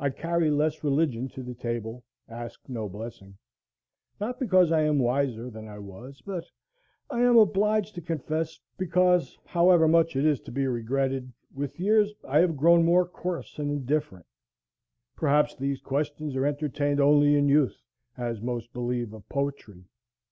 I carry less religion to the table, ask no blessing; not because I am wiser than I was, but, I am obliged to confess, because, however much it is to be regretted, with years I have grown more coarse and indifferent. Perhaps these questions are entertained only in youth, as most believe of poetry.